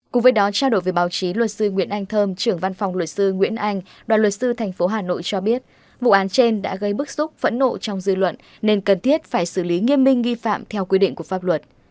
cùng với đó trao đổi với báo chí luật sư nguyễn anh thơm trưởng văn phòng luật sư nguyễn anh đoàn luật sư tp hà nội cho biết vụ án trên đã gây bức xúc phẫn nộ trong dư luận nên cần thiết phải xử lý nghiêm minh nghi phạm theo quy định của pháp luật